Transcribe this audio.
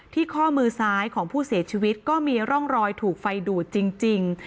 ข้อมือซ้ายของผู้เสียชีวิตก็มีร่องรอยถูกไฟดูดจริง